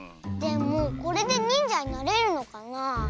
でもこれでにんじゃになれるのかなあ？